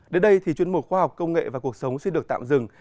đến đây thì chuyên mục khoa học công nghệ và cuộc sống xin được tạm dừng